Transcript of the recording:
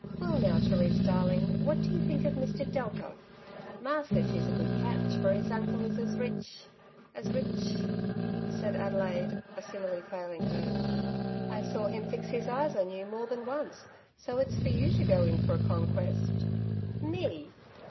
'^ Well now, Therese darling, what do you think of Mr. Delta ? Ma says he's a good catch, for his uncle is as rich, as rich—" said Adelaide, a simile failing her. '^ I saw hiin fix his eyes on you more than once, so it's for you to go in for a conquest." '' Me